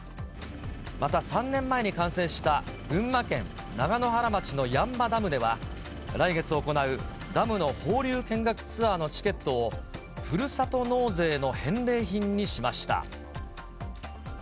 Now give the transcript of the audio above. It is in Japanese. また３年前に完成した、群馬県長野原町の八ッ場ダムでは、来月行うダムの放流見学ツアーのチケットを、ふるさと納税の返礼品にしました。